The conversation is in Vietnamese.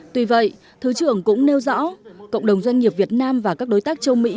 tuy vậy thứ trưởng cũng nêu rõ cộng đồng doanh nghiệp việt nam và các đối tác châu mỹ